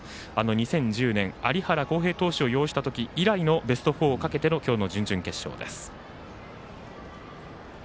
２０１０年有原航平投手を擁したとき以来のベスト４をかけての今日の準々決勝です。